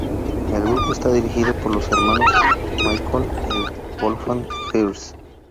El grupo está dirigido por los hermanos Michael y Wolfgang Herz.